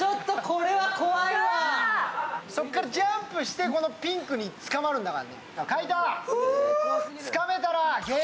そこからジャンプしてこのピンクにつかまるんだよ。